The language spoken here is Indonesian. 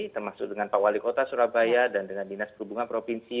termasuk dengan pak wali kota surabaya dan dengan dinas perhubungan provinsi